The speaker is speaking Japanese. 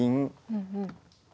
うんうん。